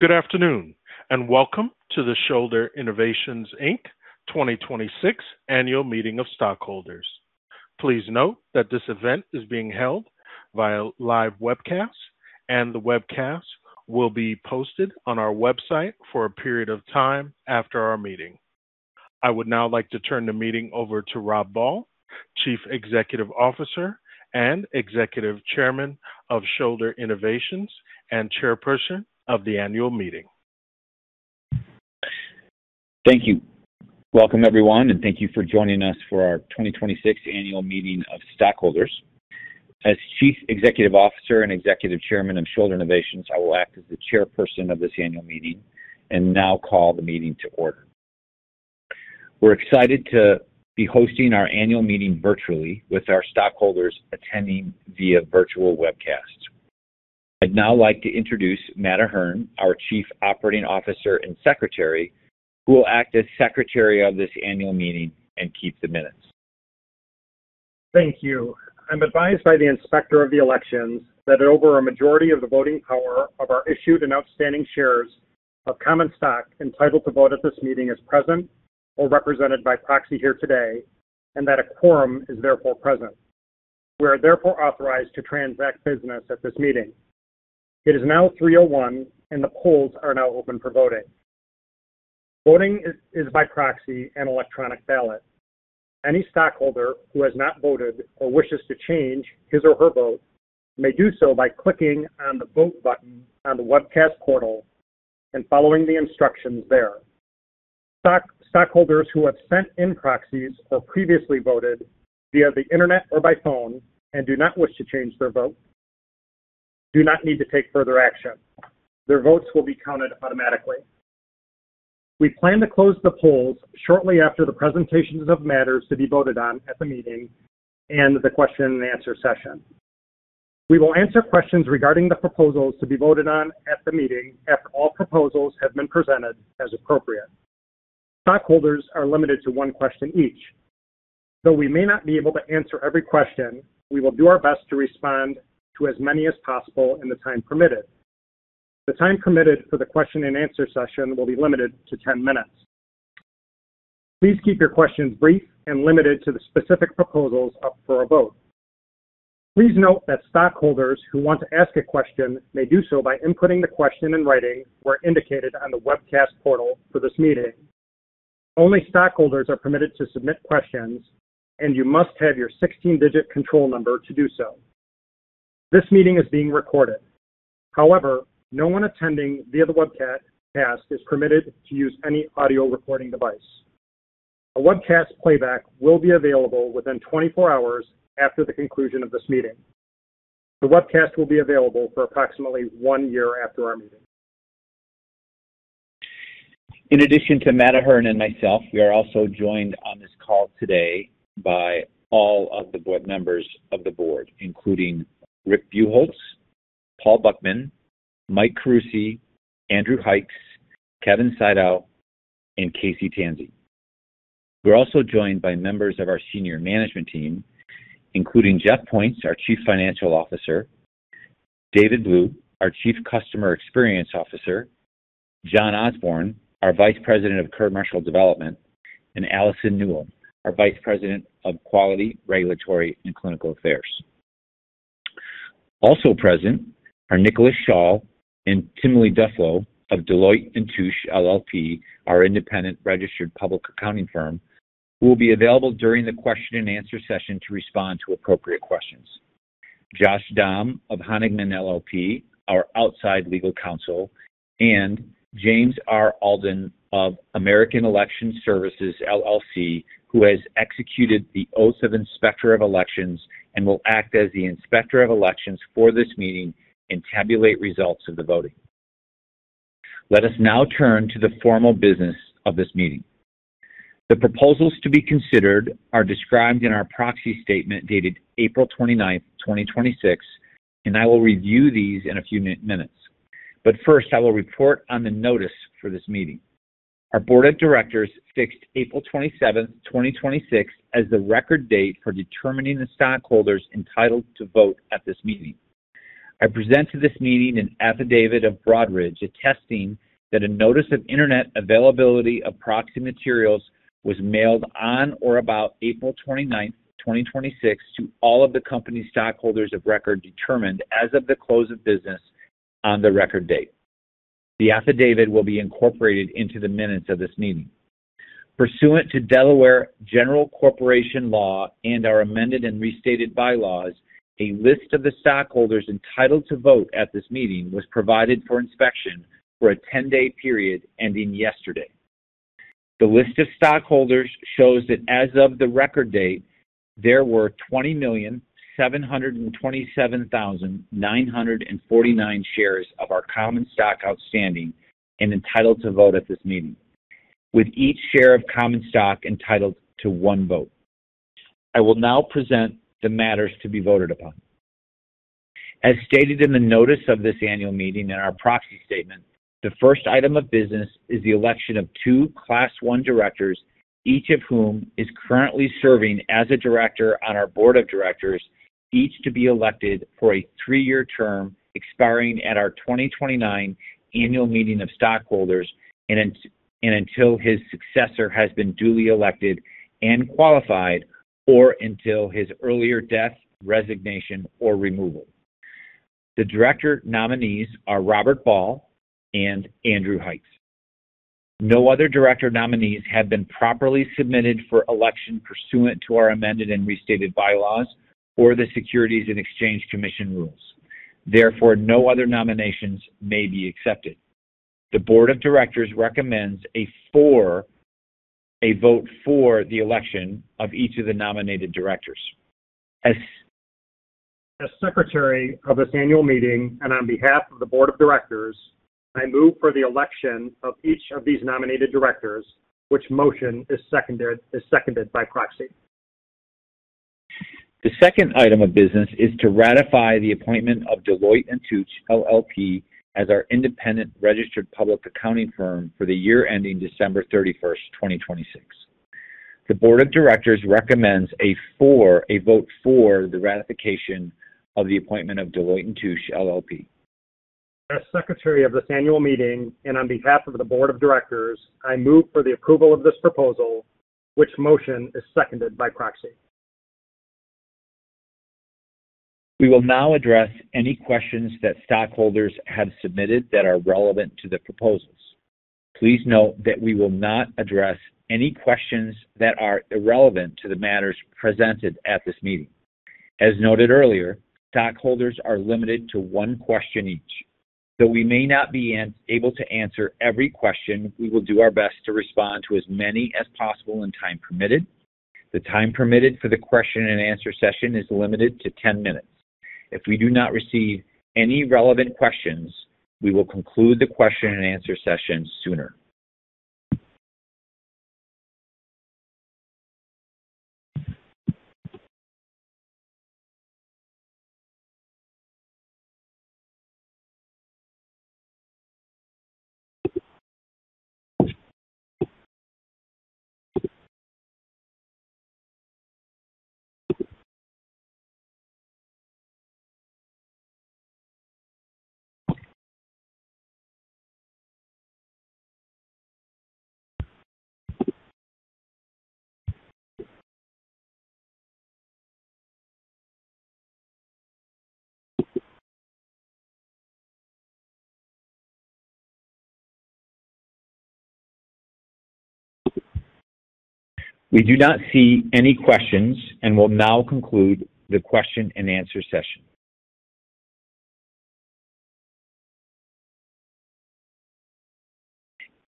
Good afternoon. Welcome to the Shoulder Innovations, Inc. 2026 Annual Meeting of Stockholders. Please note that this event is being held via live webcast, and the webcast will be posted on our website for a period of time after our meeting. I would now like to turn the meeting over to Rob Ball, Chief Executive Officer and Executive Chairman of Shoulder Innovations and Chairperson of the annual meeting. Thank you. Welcome, everyone, and thank you for joining us for our 2026 Annual Meeting of Stockholders. As Chief Executive Officer and Executive Chairman of Shoulder Innovations, I will act as the chairperson of this annual meeting and now call the meeting to order. We're excited to be hosting our annual meeting virtually with our stockholders attending via virtual webcast. I'd now like to introduce Matt Ahearn, our Chief Operating Officer and Secretary, who will act as Secretary of this annual meeting and keep the minutes. Thank you. I'm advised by the Inspector of the Elections that over a majority of the voting power of our issued and outstanding shares of common stock entitled to vote at this meeting is present or represented by proxy here today, and that a quorum is therefore present. We are therefore authorized to transact business at this meeting. It is now 3:01 P.M., and the polls are now open for voting. Voting is by proxy and electronic ballot. Any stockholder who has not voted or wishes to change his or her vote may do so by clicking on the Vote button on the webcast portal and following the instructions there. Stockholders who have sent in proxies or previously voted via the internet or by phone and do not wish to change their vote do not need to take further action. Their votes will be counted automatically. We plan to close the polls shortly after the presentations of matters to be voted on at the meeting and the question and answer session. We will answer questions regarding the proposals to be voted on at the meeting after all proposals have been presented as appropriate. Stockholders are limited to one question each. Though we may not be able to answer every question, we will do our best to respond to as many as possible in the time permitted. The time permitted for the question and answer session will be limited to 10 minutes. Please keep your questions brief and limited to the specific proposals up for a vote. Please note that stockholders who want to ask a question may do so by inputting the question in writing where indicated on the webcast portal for this meeting. Only stockholders are permitted to submit questions, and you must have your 16-digit control number to do so. This meeting is being recorded. However, no one attending via the webcast is permitted to use any audio recording device. A webcast playback will be available within 24 hours after the conclusion of this meeting. The webcast will be available for approximately one year after our meeting. In addition to Matt Ahearn and myself, we are also joined on this call today by all of the board members of the board, including Rick Buchholz, Paul Buckman, Mike Carusi, Andrew Hykes, Kevin Sidow, and Casey Tansey. We're also joined by members of our senior management team, including Jeff Points, our Chief Financial Officer, David Blue, our Chief Customer Experience Officer, Jon Osborne, our Vice President of Commercial Development, and Allison Newell, our Vice President of Quality, Regulatory and Clinical Affairs. Also present are Nicholas Schall and Tim Li of Deloitte & Touche LLP, our independent registered public accounting firm, who will be available during the question and answer session to respond to appropriate questions. Josh Damm of Honigman LLP, our outside legal counsel, and James R. Alden of American Election Services, LLC, who has executed the oaths of Inspector of Elections and will act as the Inspector of Elections for this meeting and tabulate results of the voting. Let us now turn to the formal business of this meeting. The proposals to be considered are described in our proxy statement dated April 29, 2026, and I will review these in a few minutes. First, I will report on the notice for this meeting. Our Board of Directors fixed April 27, 2026, as the record date for determining the stockholders entitled to vote at this meeting. I present to this meeting an affidavit of Broadridge attesting that a notice of internet availability of proxy materials was mailed on or about April 29, 2026, to all of the company's stockholders of record determined as of the close of business on the record date. The affidavit will be incorporated into the minutes of this meeting. Pursuant to Delaware General Corporation Law and our amended and restated bylaws, a list of the stockholders entitled to vote at this meeting was provided for inspection for a 10-day period ending yesterday. The list of stockholders shows that as of the record date, there were 20,727,949 shares of our common stock outstanding and entitled to vote at this meeting, with each share of common stock entitled to one vote. I will now present the matters to be voted upon. As stated in the notice of this annual meeting in our proxy statement, the first item of business is the election of two Class 1 directors, each of whom is currently serving as a director on our board of directors. Each to be elected for a three-year term expiring at our 2029 annual meeting of stockholders, and until his successor has been duly elected and qualified, or until his earlier death, resignation, or removal. The director nominees are Robert Ball and Andrew Hykes. No other director nominees have been properly submitted for election pursuant to our amended and restated bylaws or the Securities and Exchange Commission rules. Therefore, no other nominations may be accepted. The board of directors recommends a vote for the election of each of the nominated directors. As secretary of this annual meeting and on behalf of the board of directors, I move for the election of each of these nominated directors, which motion is seconded by proxy. The second item of business is to ratify the appointment of Deloitte & Touche LLP as our independent registered public accounting firm for the year ending December 31st, 2026. The board of directors recommends a vote for the ratification of the appointment of Deloitte & Touche LLP. As secretary of this annual meeting and on behalf of the board of directors, I move for the approval of this proposal, which motion is seconded by proxy. We will now address any questions that stockholders have submitted that are relevant to the proposals. Please note that we will not address any questions that are irrelevant to the matters presented at this meeting. As noted earlier, stockholders are limited to one question each. Though we may not be able to answer every question, we will do our best to respond to as many as possible in time permitted. The time permitted for the question and answer session is limited to 10 minutes. If we do not receive any relevant questions, we will conclude the question and answer session sooner. We do not see any questions and will now conclude the question and answer session.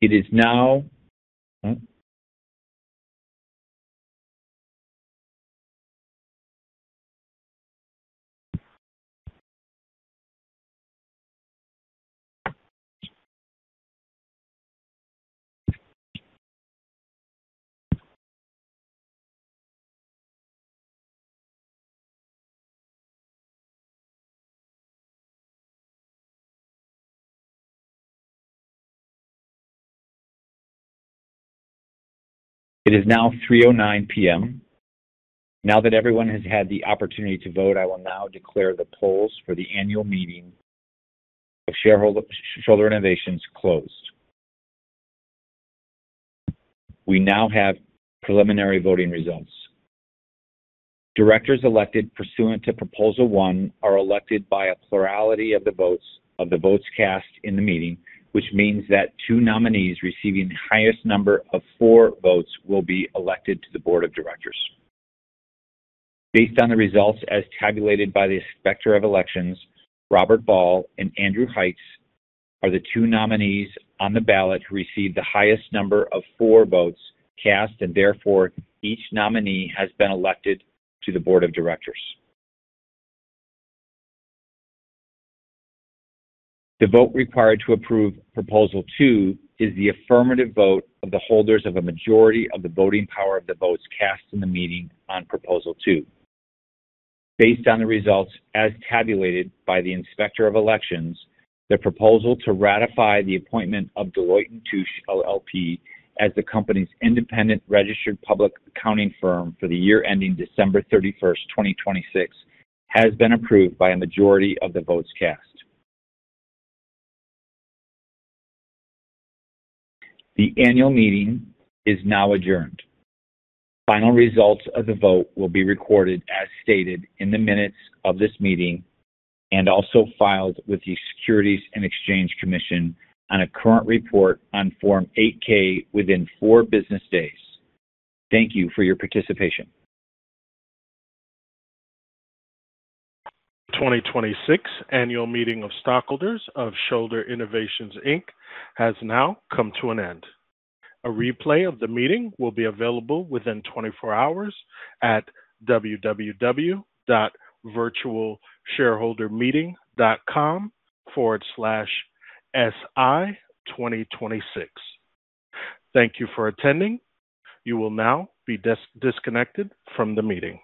It is now 3:09 P.M. Now that everyone has had the opportunity to vote, I will now declare the polls for the annual meeting of Shoulder Innovations closed. We now have preliminary voting results. Directors elected pursuant to proposal one are elected by a plurality of the votes cast in the meeting, which means that two nominees receiving the highest number of four votes will be elected to the board of directors. Based on the results as tabulated by the Inspector of Elections, Robert Ball and Andrew Hykes are the two nominees on the ballot who received the highest number of four votes cast, and therefore, each nominee has been elected to the board of directors. The vote required to approve proposal two is the affirmative vote of the holders of a majority of the voting power of the votes cast in the meeting on proposal two. Based on the results as tabulated by the Inspector of Elections, the proposal to ratify the appointment of Deloitte & Touche LLP as the company's independent registered public accounting firm for the year ending December 31st, 2026, has been approved by a majority of the votes cast. The annual meeting is now adjourned. Final results of the vote will be recorded as stated in the minutes of this meeting and also filed with the Securities and Exchange Commission on a current report on Form 8-K within four business days. Thank you for your participation. 2026 annual meeting of stockholders of Shoulder Innovations, Inc. has now come to an end. A replay of the meeting will be available within 24 hours at www.virtualshareholdermeeting.com/si2026. Thank you for attending. You will now be disconnected from the meeting.